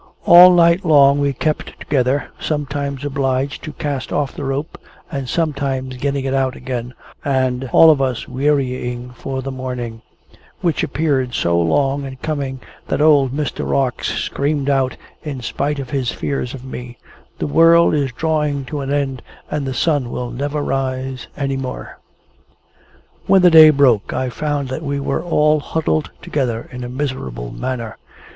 All night long we kept together, sometimes obliged to cast off the rope, and sometimes getting it out again, and all of us wearying for the morning which appeared so long in coming that old Mr. Rarx screamed out, in spite of his fears of me, "The world is drawing to an end, and the sun will never rise any more!" When the day broke, I found that we were all huddled together in a miserable manner.